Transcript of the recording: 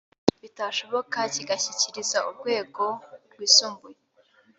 bitashoboka kigashyikirizwa urwego rwisumbuye